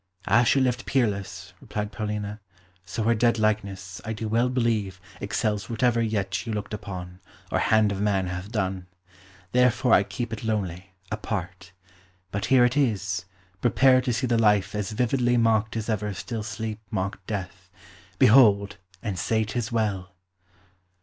"As she lived peerless," replied Paulina, "so her dead likeness, I do well believe, excels whatever yet you looked upon, or hand of man hath done; therefore I keep it lonely, apart. But here it is; prepare to see the life as vividly mocked as ever still sleep mocked death; behold, and say 'tis well!"